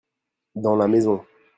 Dans la maison.